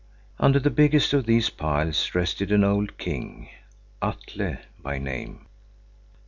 Under the biggest of these piles rested an old king, Atle by name.